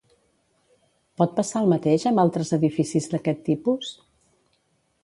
Pot passar el mateix amb altres edificis d'aquest tipus?